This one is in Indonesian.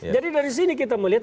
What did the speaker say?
jadi dari sini kita melihat